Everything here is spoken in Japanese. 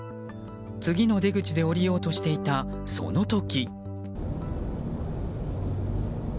次の出口で降りようとしていたその時。